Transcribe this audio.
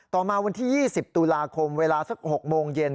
ต่อมาวันที่๒๐ตุลาคมเวลาสัก๖โมงเย็น